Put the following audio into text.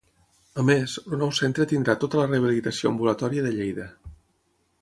A més, el nou centre tindrà tota la rehabilitació ambulatòria de Lleida.